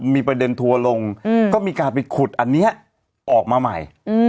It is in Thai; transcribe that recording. มีประเด็นทัวร์ลงก็มีการไปขุดอันนี้ออกมาใหม่